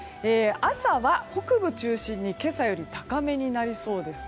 朝は北部中心に今朝より高めになりそうです。